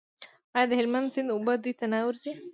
آیا د هلمند سیند اوبه دوی ته نه ورځي؟